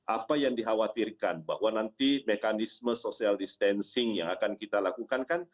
apa yang dikhawatirkan bahwa nanti mekanisme social distancing yang akan kita lakukan kan